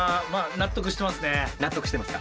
納得してますか。